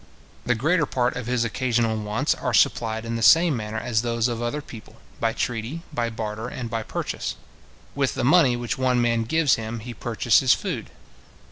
The greater part of his occasional wants are supplied in the same manner as those of other people, by treaty, by barter, and by purchase. With the money which one man gives him he purchases food.